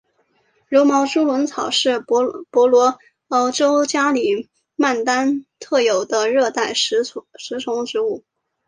柔毛猪笼草是婆罗洲加里曼丹特有的热带食虫植物。